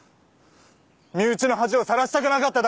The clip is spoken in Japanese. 身内の恥をさらしたくなかっただけだ！